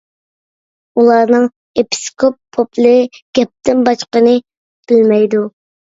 ئۇلارنىڭ ئېپىسكوپ، پوپلىرى گەپتىن باشقىنى بىلمەيدۇ.